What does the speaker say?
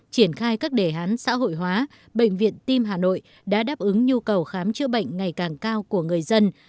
triển khai các đề án xã hội hóa bệnh viện tim hà nội đã đáp ứng nhu cầu khám chữa bệnh ngày càng cao của người dân